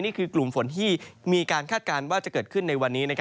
นี่คือกลุ่มฝนที่มีการคาดการณ์ว่าจะเกิดขึ้นในวันนี้